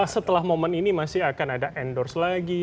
setelah momen ini masih akan ada endorse lagi